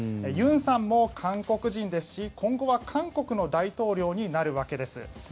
尹さんも韓国人ですし、今後は韓国の大統領になるわけです。